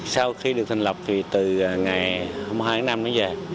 sau khi được thành lập thì từ ngày hai mươi hai tháng năm đến giờ